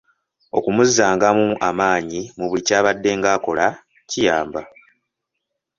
Okumuzzangamu amaanyi mu buli kyabaddenga akola kiyamba.